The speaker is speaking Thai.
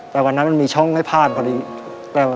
แต่วันนั้นมันมีช่องให้ผ่านเลย